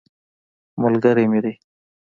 ملګری مې دی.